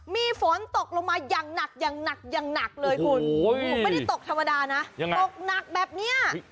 มีฝนตกลงมายังหนักเลยคุณไม่ได้ตกธรรมดานะตกหนักแบบนี้